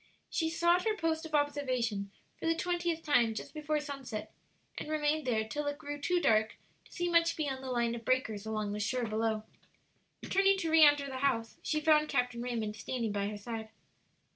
She sought her post of observation for the twentieth time just before sunset, and remained there till it grew too dark to see much beyond the line of breakers along the shore below. Turning to re enter the house, she found Captain Raymond standing by her side.